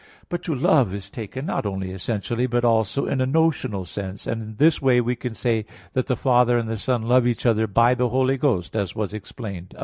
But to love is taken not only essentially, but also in a notional sense; and in this way, we can say that the Father and the Son love each other by the Holy Ghost, as was above explained.